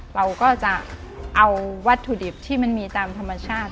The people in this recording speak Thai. เราก็จะเอาวัตถุดิบที่มันมีตามธรรมชาติ